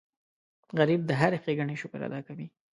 غریب د هرې ښېګڼې شکر ادا کوي